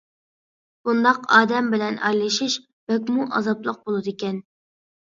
بۇنداق ئادەم بىلەن ئارىلىشىش بەكمۇ ئازابلىق بولىدىكەن.